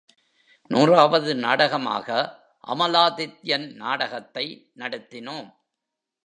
நூறாவது நாடகமாக அமலாதித்யன் நாடகத்தை நடத்தினோம்.